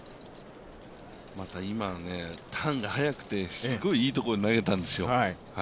また今、ターンが早くてすごくいいところに投げたんですよ。